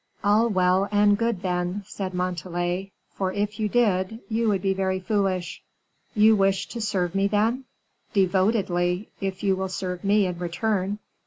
"All well and good, then," said Montalais, "for if you did, you would be very foolish." "You wish to serve me, then?" "Devotedly if you will serve me in return."